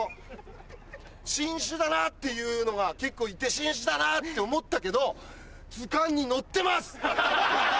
新種だなっていうのが結構いて新種だなって思ったけど図鑑に載ってます！